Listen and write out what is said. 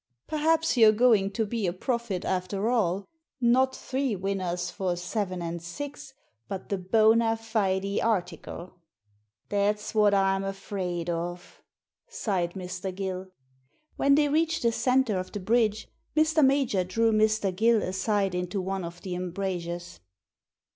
" Perhaps you're going to be a prophet after all — not three winners for seven Smd six, but the bona fide article." •'That's what I'm afraid of," sighed Mr. Gill. When they reached the centre of the bridge Mr. Major drew Mr. Gill aside into one of the em brasures.